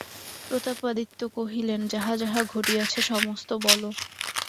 প্রতাপাদিত্য কহিলেন, যাহা যাহা ঘটিয়াছে সমস্ত বলো।